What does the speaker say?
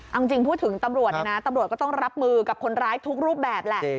เอาจริงพูดถึงตำรวจเนี่ยนะตำรวจก็ต้องรับมือกับคนร้ายทุกรูปแบบแหละ